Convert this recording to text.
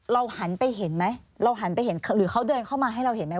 เราหันไปเห็นไหมหรือเขาเดินเข้ามาให้เราเห็นไหม